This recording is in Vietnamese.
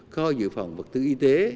kho dự phòng vật tư y tế